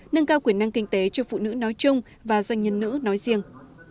nâng cao quyền năng kinh tế cho phụ nữ nói chung và doanh nhân nữ nói riêng